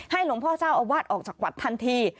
หลวงพ่อเจ้าอาวาสออกจากวัดทันที